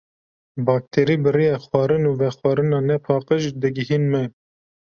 Bakterî bi rêya xwarin û vexwarina nepaqij digihîn me.